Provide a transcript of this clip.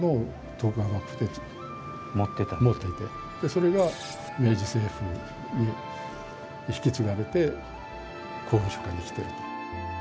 それが明治政府に引き継がれて公文書館に来ていると。